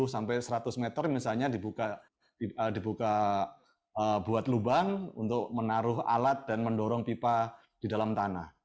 sampai seratus meter misalnya dibuka buat lubang untuk menaruh alat dan mendorong pipa di dalam tanah